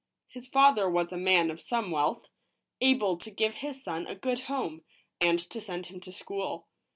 His father was a man of some wealth, able to give his son a good home, and to send him to school.